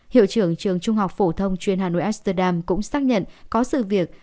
hiệu trưởng trường trung học phổ thông chuyên hà nội eserdam cũng xác nhận có sự việc